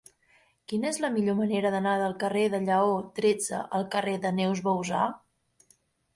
Quina és la millor manera d'anar del carrer de Lleó tretze al carrer de Neus Bouzá?